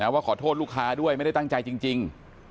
ว่าขอโทษลูกค้าด้วยไม่ได้ตั้งใจจริง